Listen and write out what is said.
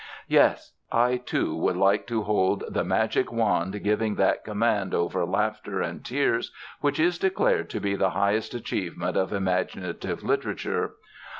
Yes! I, too, would like to hold the magic wand giving that command over laughter and tears which is declared to be the highest achievement of imaginative literature.